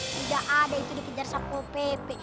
tidak ada itu dikejar sapol pepe